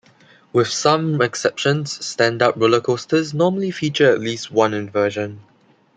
With some exceptions, stand-up roller coasters normally feature at least one inversion.